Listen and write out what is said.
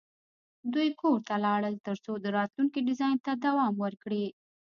دوی کور ته لاړل ترڅو د راتلونکي ډیزاین ته دوام ورکړي